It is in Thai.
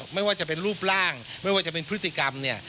ไม่ว่าจะเป็นรูปร่างไม่ว่าจะเป็นพฤติกรรมเนี่ย